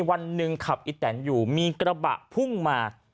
วันหนึ่งขับอีแตนอยู่มีกระบะพุ่งมา